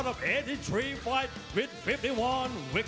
แล้วเห็นดีจาก